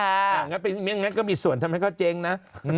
ยังไงก็มีส่วนทำให้เขาเจ๊งนะ